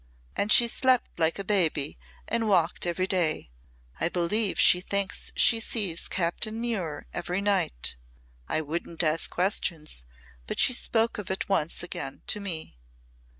And she's slept like a baby and walked every day. I believe she thinks she sees Captain Muir every night. I wouldn't ask questions, but she spoke of it once again to me.